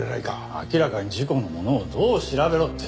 明らかに事故のものをどう調べろって。